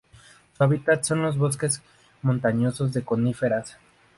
Su hábitat son los bosques montañosos de coníferas.